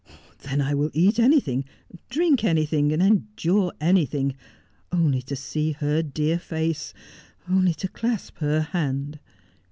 'Then I will eat anything — drink anything — endure anything — only to see her dear face — only to clasp her hand.'